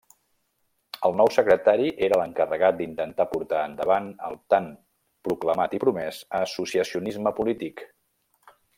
El nou Secretari era l'encarregat d'intentar portar endavant el tan proclamat i promès associacionisme polític.